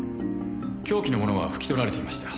凶器のものは拭き取られていました。